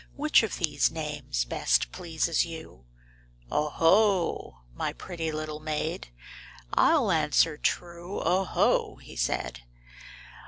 Which of these names best pleases you'?'' " 0 ho ! my pretty little maid. I'll answer true, 0 ho !" he said.